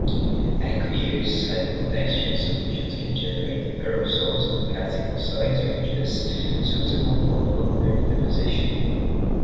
Aqueous cyclodextrin solutions can generate aerosols in particle size ranges suitable for pulmonary deposition.